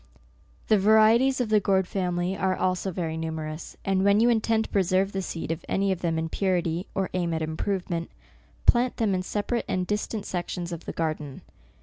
The varieties of the gourd family are also very numerous, and when you intend to pre serve the seed of any of them in purity, or aim at improvement, plant them in separate and distant sections of the garden.